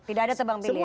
tidak ada tebang pilih ya